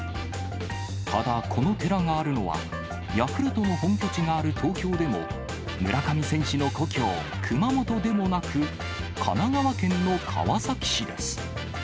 ただこの寺があるのは、ヤクルトの本拠地がある東京でも、村上選手の故郷熊本でもなく、神奈川県の川崎市です。